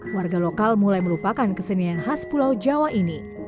warga lokal mulai melupakan kesenian khas pulau jawa ini